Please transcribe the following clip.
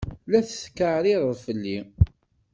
La tetkeɛrireḍ fell-i?